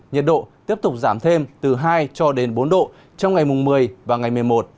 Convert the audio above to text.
nhiệt độ tiếp tục giảm thêm từ hai cho đến bốn độ trong ngày mùng một mươi và ngày một mươi một